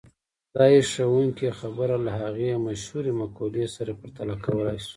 دا هيښوونکې خبره له هغې مشهورې مقولې سره پرتله کولای شو.